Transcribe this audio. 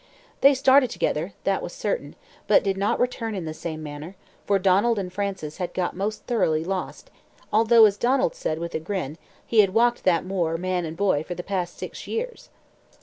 They started together that was certain but did not return in the same manner, for Donald and Frances had got most thoroughly lost, although as Donald said, with a grin, "he had walked that moor, man and boy, for the past six years."